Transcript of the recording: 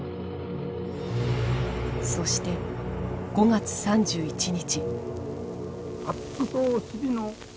そして５月３１日。